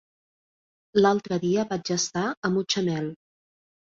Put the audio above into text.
L'altre dia vaig estar a Mutxamel.